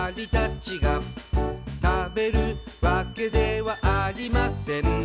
「食べるわけではありません」